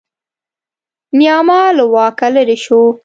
نیاما له واکه لرې شو.